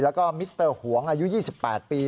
แล้วก็มิสเตอร์หวงอายุ๒๘ปี